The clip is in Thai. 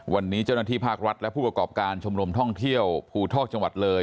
วันนี้เจ้าหน้าที่ภาครัฐและผู้ประกอบการชมรมท่องเที่ยวภูทอกจังหวัดเลย